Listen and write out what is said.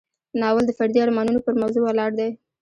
ناول د فردي ارمانونو پر موضوع ولاړ دی.